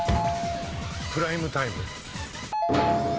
プライムタイム。